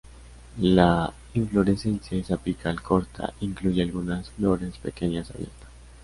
La inflorescencia es apical, corta, e incluye algunas flores pequeñas abiertas.